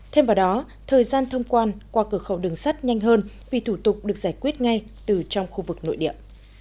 thêm vào đó thời gian thông quan qua cửa khẩu đường sắt nhanh hơn vì thủ tục được giải quyết ngay từ trong khu vực nội địa